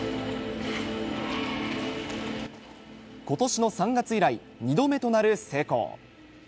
今年の３月以来２度目となる成功。